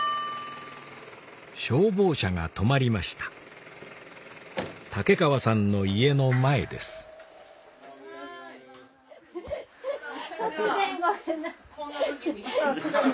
消防車が止まりました竹川さんの家の前です突然ごめんなさい。